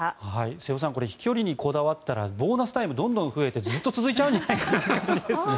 瀬尾さん飛距離にこだわったらボーナスタイムどんどん増えてずっと続いちゃうんじゃないですかね。